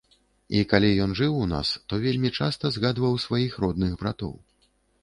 І калі ён жыў у нас, то вельмі часта згадваў сваіх родных братоў.